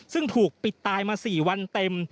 ซึ่งถูกปิดตายมา๔วันเต็ม